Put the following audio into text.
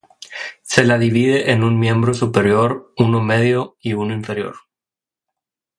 Se la divide en un miembro superior, uno medio y uno inferior.